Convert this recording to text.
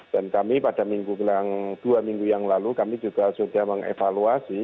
dan kami pada minggu dua minggu yang lalu kami juga sudah mengevaluasi